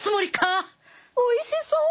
おいしそう。